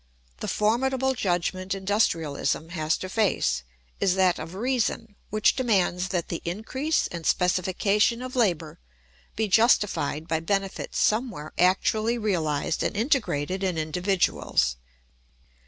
The formidable judgment industrialism has to face is that of reason, which demands that the increase and specification of labour be justified by benefits somewhere actually realised and integrated in individuals.